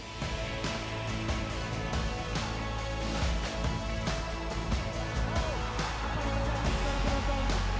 dengan peti atau